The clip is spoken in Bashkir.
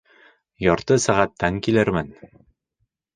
Ярты сәғәттән килермен.